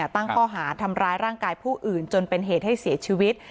ตั้งข้อหาทำร้ายร่างกายผู้อื่นจนเป็นเหตุให้เสียชีวิต